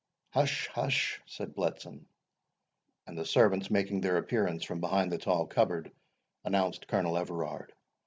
"Hush, hush," said Bletson; and the servants, making their appearance from behind the tall cupboard, announced Colonel Everard.